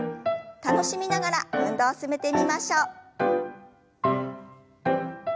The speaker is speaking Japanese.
楽しみながら運動を進めてみましょう。